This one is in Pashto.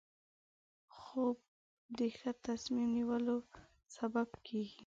خوب د ښه تصمیم نیولو سبب کېږي